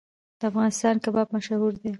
د افغانستان کباب مشهور دی